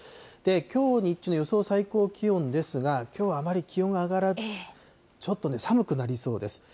きょう日中の予想最高気温ですが、きょうはあまり気温が上がらず、ちょっとね、寒くなりそうです。